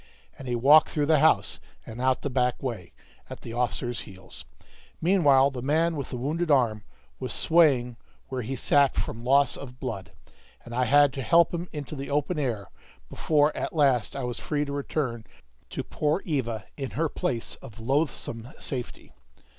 And he walked through the house, and out the back way, at the officer's heels; meanwhile the man with the wounded arm was swaying where he sat from loss of blood, and I had to help him into the open air before at last I was free to return to poor Eva in her place of loathsome safety.